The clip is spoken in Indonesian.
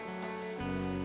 bener sih kamu boy